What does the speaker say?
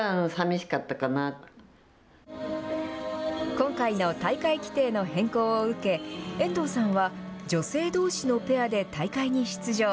今回の大会規定の変更を受け遠藤さんは女性どうしのペアで大会に出場。